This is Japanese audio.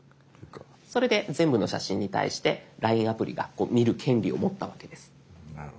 それで全部の写真に対してＬＩＮＥアプリが見る権利を持ったわけです。